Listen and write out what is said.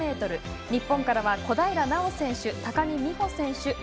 日本からは小平奈緒選手高木美帆選手